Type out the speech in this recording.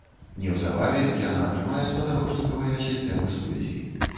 Неўзабаве яна атрымае спадарожнікавыя сістэмы сувязі.